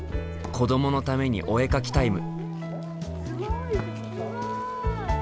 子どものためにお絵描きタイム。